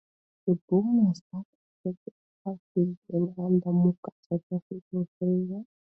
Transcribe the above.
The bone was dug up at the opal fields of Andamooka, South Australia.